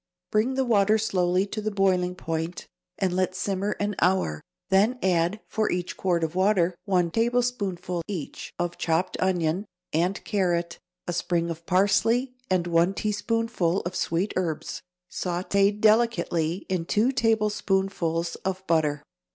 Bring the water slowly to the boiling point and let simmer an hour, then add, for each quart of water, one tablespoonful, each, of chopped onion and carrot, a sprig of parsley and one teaspoonful of sweet herbs, sautéd delicately in two tablespoonfuls of butter.